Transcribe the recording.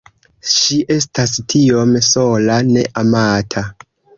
Ŝi estas tiom sola... ne amata